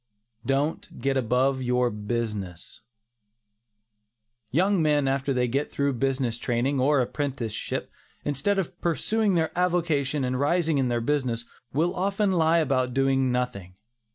DON'T GET ABOVE YOUR BUSINESS. Young men after they get through their business training, or apprenticeship, instead of pursuing their avocation and rising in their business, will often lie about doing nothing.